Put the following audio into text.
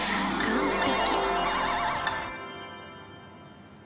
完璧。